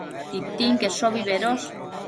Titinqueshobi bedosh